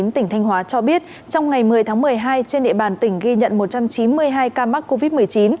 tỉnh thanh hóa cho biết trong ngày một mươi tháng một mươi hai trên địa bàn tỉnh ghi nhận một trăm chín mươi hai ca mắc covid một mươi chín